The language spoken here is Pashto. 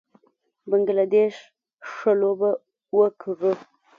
بنګله دېش ښه لوبه وکړه